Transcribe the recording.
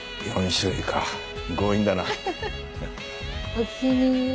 お気に入り。